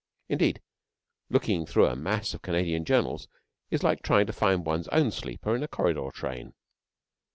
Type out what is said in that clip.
Indeed, looking through a mass of Canadian journals is like trying to find one's own sleeper in a corridor train.